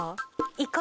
イカ。